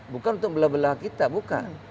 bukan untuk belah belah kita bukan